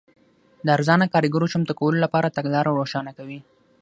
د ارزانه کارګرو چمتو کولو لپاره تګلاره روښانه کوي.